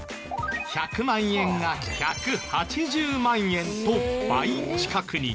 １００万円が１８０万円と倍近くに。